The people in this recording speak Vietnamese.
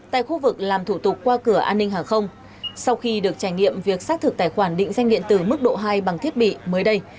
tại khu vực làm thủ tục qua cửa an ninh hàng không sau khi được trải nghiệm việc xác thực tài khoản định danh điện tử mức độ hai bằng thiết bị mới đây